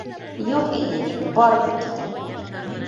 — Юҡ, инәй, мин барыбер китәм.